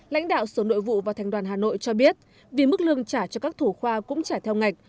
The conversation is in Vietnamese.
lãnh đạo sở nội vụ và thành đoàn hà nội cho biết vì mức lương trả cho các thủ khoa cũng trải theo ngạch